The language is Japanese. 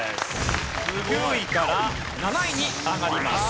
９位から７位に上がります。